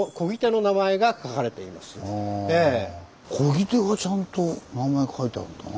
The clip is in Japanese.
漕ぎ手がちゃんと名前書いてあるんだな。